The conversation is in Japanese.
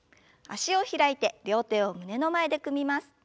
脚を開いて両手を胸の前で組みます。